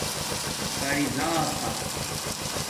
پری زاتہ